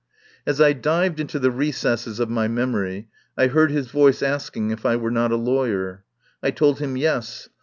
As I dived into the recesses of my memory I heard his voice asking if I were not a lawyer. I told him, Yes.